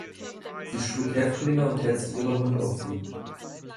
Sie schlug Häftlinge und hetzte ihren Hund auf sie.